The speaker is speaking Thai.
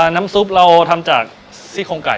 น้ำซุปเราทำจากซี่โครงไก่